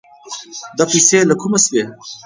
دا پيسې له کومه شوې؟